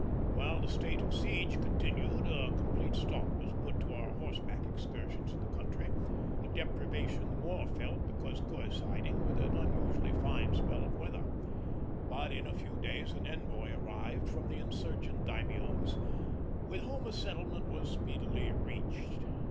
While the state of siege continued a complete stop was put to our horseback excursions in the country, a deprivation the more felt because coinciding with an unusually fine spell of weather; but in a few days an envoy arrived from the insurgent daimios, with whom a settlement was speedily reached.